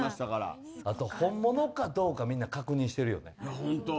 あと、本物かどうかみんな確認してるよね。